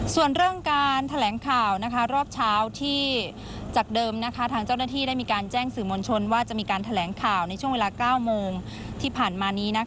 ส่วนเรื่องการแถลงข่าวรอบเช้าที่จากเดิมทางเจ้าหน้าที่ได้มีการแจ้งสื่อมวลชนว่าจะมีการแถลงข่าวในช่วงเวลา๙โมงที่ผ่านมานี้